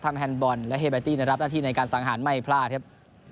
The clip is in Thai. แฮนดบอลและเฮเบตี้รับหน้าที่ในการสังหารไม่พลาดครับ